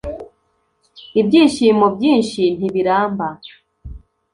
Ibyishimo byinshi ntibiramba